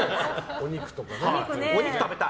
お肉食べたい！